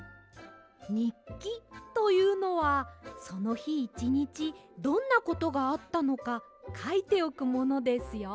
にっきというのはそのひいちにちどんなことがあったのかかいておくものですよ。